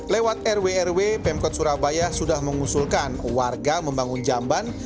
lewat rw rw pemkot surabaya sudah mengusulkan warga membangun jamban